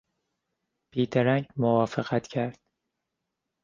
بیدرنگ موافقت کرد.